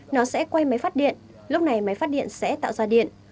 nó sẽ quay máy phát điện lúc này máy phát điện sẽ tạo ra điện